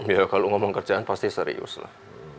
ya kalau ngomong kerjaan pasti serius lah